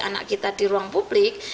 anak kita di ruang publik